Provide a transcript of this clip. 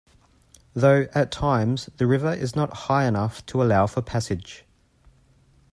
Though, at times, the river is not high enough to allow for passage.